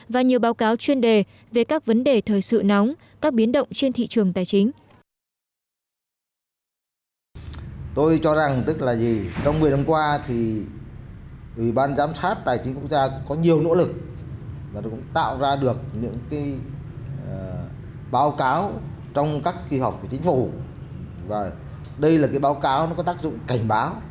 và nhiều báo cáo chuyên đề về các vấn đề thời sự nóng các biến động trên thị trường tài chính